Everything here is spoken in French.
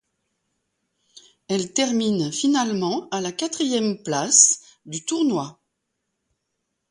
Elle termine finalement à la quatrième place du tournoi.